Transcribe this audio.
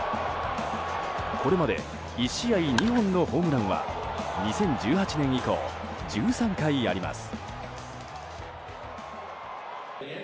これまで１試合２本のホームランは２０１８年以降１３回あります。